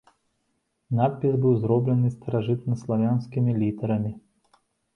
Надпіс быў зроблены старажытнаславянскімі літарамі.